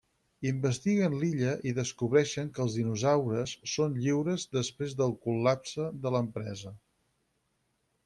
Investiguen l'illa i descobreixen que els dinosaures són lliures després del col·lapse de l'empresa.